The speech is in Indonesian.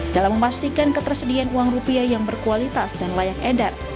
dalam memastikan ketersediaan uang rupiah yang berkualitas dan layak edar